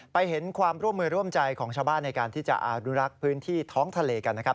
เห็นความร่วมมือร่วมใจของชาวบ้านในการที่จะอนุรักษ์พื้นที่ท้องทะเลกันนะครับ